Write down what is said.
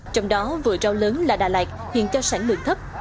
trong đó vừa rau lớn là đà lạt hiện cho sản lượng thấp